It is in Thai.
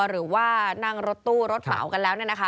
หรือว่านั่งรถตู้รถเหมากันแล้ว